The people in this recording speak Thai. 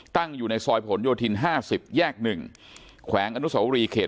ตั้งอยู่ในซอยผลโยธินห้าสิบแยกหนึ่งแขวงอนุสาวรีเขต